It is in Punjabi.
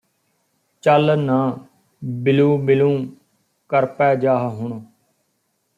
ਚੱਲ ਨਾ ਬਿਲੂੰਬਿਲੂੰ ਕਰਪੈ ਜਾਹ ਹੁਣ